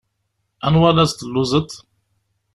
Anwa laẓ telluẓeḍ?